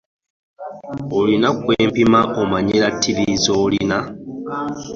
Olina okwepima omanye laatiri z'olina.